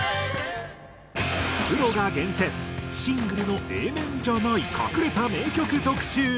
プロが厳選シングルのＡ面じゃない隠れた名曲特集。